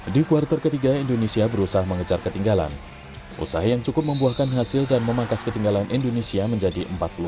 di kuartal ketiga indonesia berusaha mengejar ketinggalan usaha yang cukup membuahkan hasil dan memangkas ketinggalan indonesia menjadi empat puluh satu